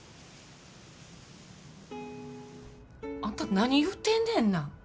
あんた何言うてんねんな。